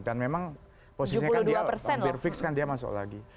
dan memang posisinya hampir fix kan dia masuk lagi